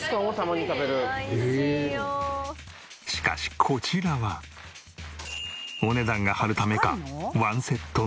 しかしこちらはお値段が張るためかワンセットのみ。